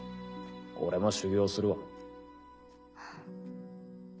俺も修業するわ。